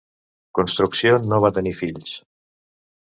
Construcció no va tenir fills.